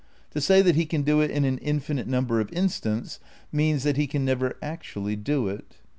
To say that he can do it in an infinite mmaber of instants means that he can never actually do it.